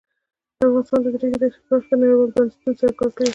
افغانستان د د ریګ دښتې په برخه کې نړیوالو بنسټونو سره کار کوي.